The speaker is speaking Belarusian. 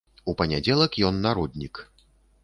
У панядзелак ён народнік.